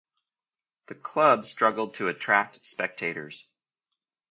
The club struggled to attract spectators.